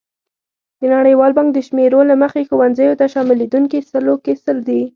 د نړیوال بانک د شمېرو له مخې ښوونځیو ته شاملېدونکي سلو کې سل دي.